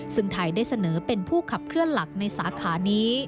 ซึ่งไทยได้เสนอเป็นผู้ขับเคลื่อนหลักในสาขานี้